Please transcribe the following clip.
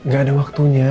gak ada waktunya